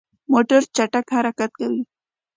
موټر چټک حرکت کوي.